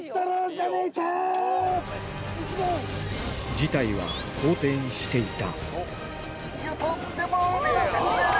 事態は好転していた